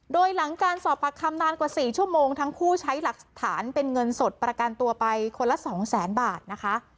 โดยหลังการสอบปากคำนานกว่า๔ชั่วโมงทั้งคู่ใช้หลักฐานเป็นเงินสดประกันตัวไปคนละสองแสนบาทนะคะ